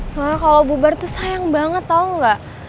soalnya kalau bubar tuh sayang banget tau gak